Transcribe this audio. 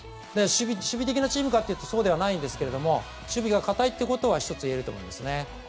守備的なチームかというとそうではないんですけど守備が堅いということは１つ、言えると思いますね。